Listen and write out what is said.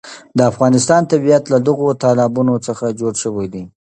د افغانستان طبیعت له دغو تالابونو څخه جوړ شوی دی.